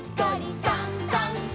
「さんさんさん」